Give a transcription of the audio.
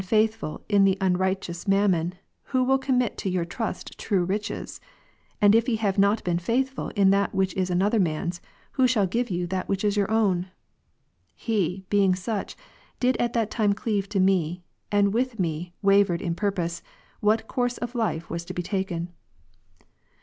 faithful in the unrighteous Mammon, who will commit to ' your trust true riches ? And if ye have not been faithful in that which is another man^s, who shall give you that which is your oivn ? He, being such, did at that time cleave to me, and with me wavered in purpose, what course of life was to be taken.